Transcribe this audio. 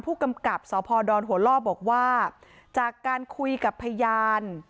ผู้กำกับสพดหัวล่อบอกว่าจากการคุยกับพยาน